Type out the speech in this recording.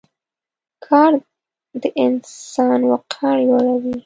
کار د انسان وقار لوړوي.